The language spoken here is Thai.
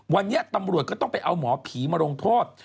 วันนี้ตำรวจก็ต้องไปเอาหมอผีมาลงโทษ